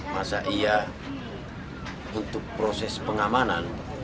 masa iya untuk proses pengamanan